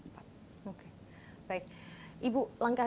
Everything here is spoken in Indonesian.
ibu langkah langkah yang pertama itu adalah